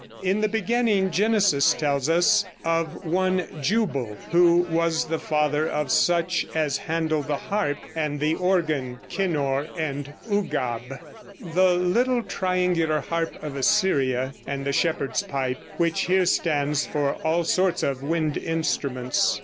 In the beginning Genesis tells us of one Jubal, who was the father of such as handle the harp and the organ (kinnor and ugabh the little triangular harp of Assyria, and the shepherd's pipe, which here stands for all sorts of wind instruments).